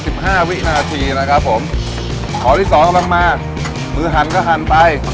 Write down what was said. สิบห้าวินาทีนะครับผมขอที่สองกำลังมามือหันก็หันไป